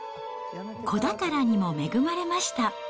子宝にも恵まれました。